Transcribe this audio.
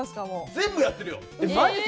全部やってるよ。